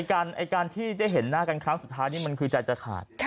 การที่ได้เห็นหน้ากันครั้งสุดท้ายนี่มันคือใจจะขาด